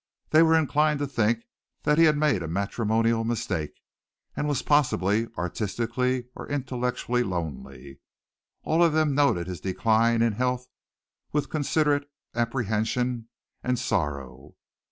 They were inclined to think that he had made a matrimonial mistake and was possibly artistically or intellectually lonely. All of them noted his decline in health with considerate apprehension and sorrow.